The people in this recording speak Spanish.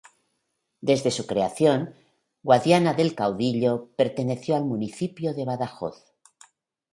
Desde su creación, Guadiana del Caudillo perteneció al municipio de Badajoz.